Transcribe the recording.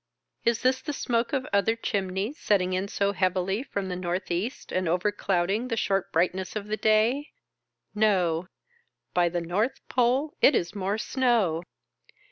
Is this the smoke of other chim neys setting in so heavily from the north east, and overclouding the short brightness of the day ? No. By the North Pole it is more snow